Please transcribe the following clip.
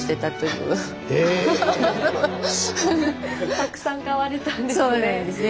たくさん買われたんですね。